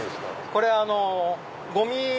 これゴミ。